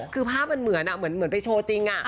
คือภาพมันเหมือนเหมือนไปโชว์จริง